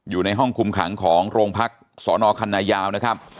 อยู่ในห้องคุมขังของโรงพักษณคันนายาวนะครับ